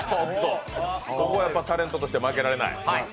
ここはタレントとして負けられない？